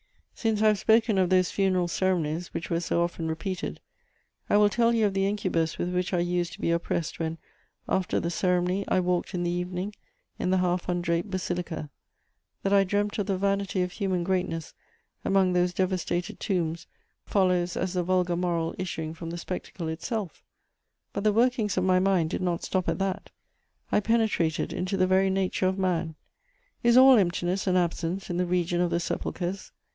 Since I have spoken of those funeral ceremonies, which were so often repeated, I will tell you of the incubus with which I used to be oppressed when, after the ceremony, I walked in the evening in the half undraped basilica: that I dreamt of the vanity of human greatness among those devasted tombs follows as the vulgar moral issuing from the spectacle itself; but the workings of my mind did not stop at that: I penetrated into the very nature of man. Is all emptiness and absence in the region of the sepulchres?